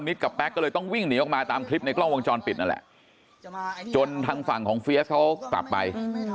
กับแป๊กก็เลยต้องวิ่งหนีออกมาตามคลิปในกล้องวงจรปิดนั่นแหละจนทางฝั่งของเฟียสเขากลับไป